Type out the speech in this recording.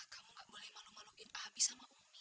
kamu gak boleh malu maluin abie sama umi